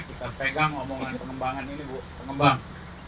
kita pegang omongan pengembangan ini bu pengembang